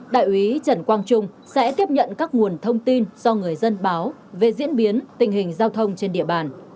đại úy trần quang trung sẽ tiếp nhận các nguồn thông tin do người dân báo về diễn biến tình hình giao thông trên địa bàn